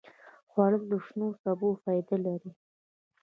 خوړل د شنو سبو فایده لري